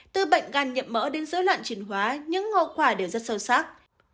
từ bệnh gan nhiệm mỡ đến dưới loạn truyền hóa những ngô khỏe đều rất sâu sắc